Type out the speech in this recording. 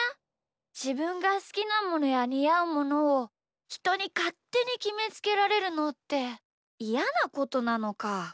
じぶんがすきなものやにあうものをひとにかってにきめつけられるのっていやなことなのか。